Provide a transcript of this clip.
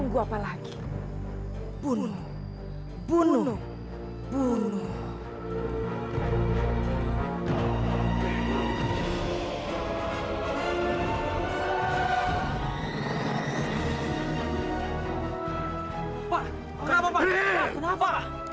bapak kenapa kenapa kenapa